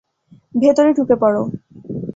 ভেতরে ঢুকে পড়ো!